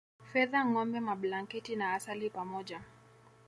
Fedha ngombe mablanketi na asali pamoja